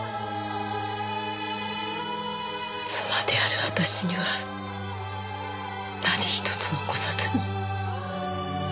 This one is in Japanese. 妻である私には何一つ残さずに。